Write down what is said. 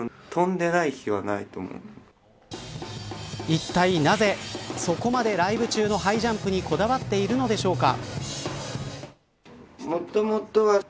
いったいなぜ、そこまでライブ中のハイジャンプにこだわっているのでしょうか。